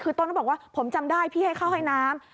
คือต้นก็บอกว่าผมจำได้พี่ให้เข้าให้น้ำ